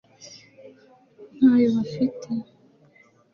ntayo bafite